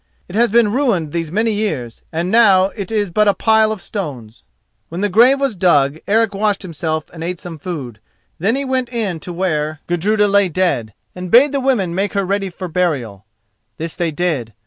It has been ruined these many years, and now it is but a pile of stones. When the grave was dug, Eric washed himself and ate some food. Then he went in to where Gudruda lay dead, and bade the women make her ready for burial. This they did.